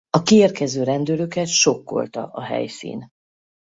A kiérkező rendőröket sokkolta a helyszín.